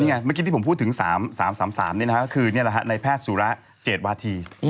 นี่ไงเมื่อกี้ที่ผมพูดถึง๓๓๓นี่นะครับคือนี่แหละในแพทย์สุระ๗วาที